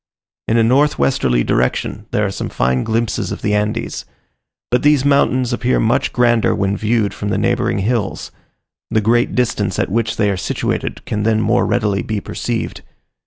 In a north westerly direction there are some fine glimpses of the Andes: but these mountains appear much grander when viewed from the neighbouring hills: the great distance at which they are situated can then more readily be perceived.